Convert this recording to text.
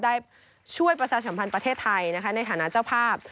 ได้ช่วยประชาสัมพันธ์ประเทศไทยนะคะในฐานะเจ้าภาพ